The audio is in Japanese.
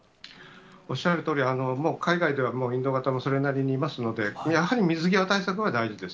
おっしゃるとおり、もう海外では、もうインド型もそれなりにいますので、やはり、水際対策が大事です。